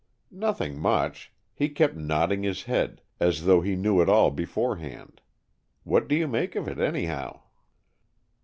"Nothing much. He kept nodding his head, as though he knew it all beforehand. What do you make of it, anyhow?"